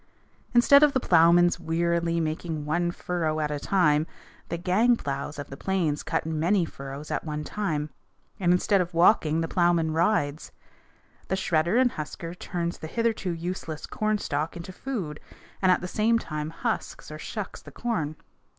Instead of the plowman's wearily making one furrow at a time, the gang plows of the plains cut many furrows at one time, and instead of walking the plowman rides. The shredder and husker turns the hitherto useless cornstalk into food, and at the same time husks, or shucks, the corn.